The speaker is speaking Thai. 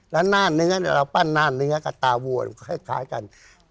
แล้วหน้าเนื้อเราปั้นหน้าเนื้อกับตาวัวคล้ายกัน